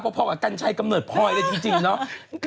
พอกับกัญชัยกำเนิดพลอยเลยจริงเนาะ